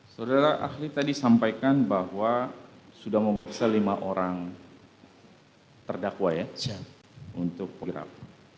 saudara ahli tadi sampaikan bahwa sudah memeriksa lima orang terdakwa ya untuk pulih